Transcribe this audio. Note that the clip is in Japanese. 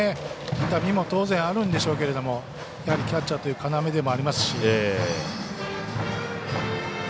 痛みも当然あるんでしょうけれどもやはりキャッチャーという要でもありますし。